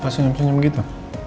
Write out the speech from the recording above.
kenapa senyum senyum begitu